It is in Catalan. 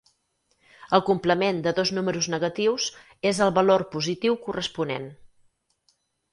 El complement de dos números negatius és el valor positiu corresponent.